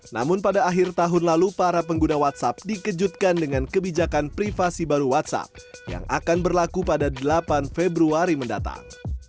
namun pada akhir tahun lalu para pengguna whatsapp dikejutkan dengan kebijakan privasi baru whatsapp yang akan berlaku pada delapan februari mendatang